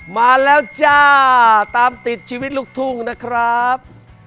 มาแล้วจ้าตามติดชีวิตลูกทุ่งนะครับ